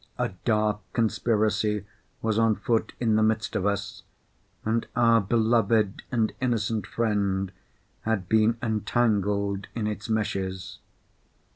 A dark conspiracy was on foot in the midst of us; and our beloved and innocent friend had been entangled in its meshes.